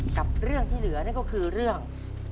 กับเรื่องที่เหลือนั่นก็คือเรื่อง